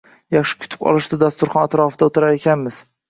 Yaxshi kutib olishdi dasturxon atrofida oʻtirar ekanmiz